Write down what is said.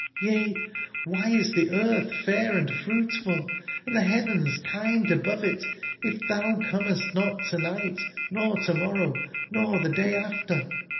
Yca, why is the earth fair and fruitful, and the heavens kind above it, if thou comest not to/night, nor to/mor row, nor the day after?